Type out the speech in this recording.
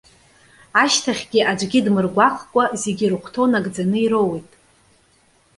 Ашьҭахьгьы аӡәгьы дмыргәаҟкәа зегьы ирыхәҭоу нагӡаны ироуеит.